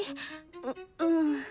ううん。